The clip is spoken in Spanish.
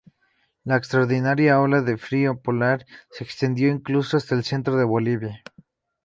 La extraordinaria ola de frío polar se extendió incluso hasta el centro de Bolivia.